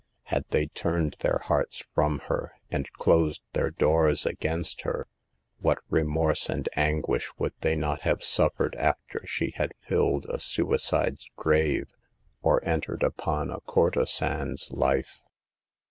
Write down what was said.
Had they turned their hearts from her and closed their doors against her, what remorse and anguish would they not have suffered after she had filled a sui cide's grave, or entered upon a courtesan's life?